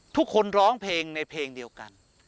ร้องเพลงในเพลงเดียวกัน